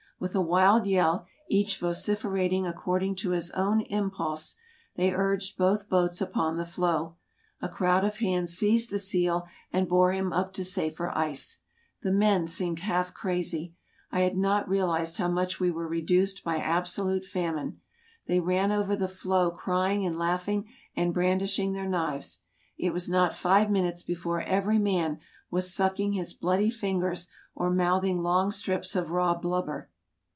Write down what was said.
With a wild yell, each vociferating according to his own impulse, they urged both boats upon the floe. A crowd of hands seized the seal and bore him up to safer ice. The men seemed half crazy; I had not realized how much we were reduced by absolute famine. They ran over the floe crying and laughing and brandishing their knives. It was not five minutes before every man was sucking his bloody fingers or mouthing long strips of raw blubber.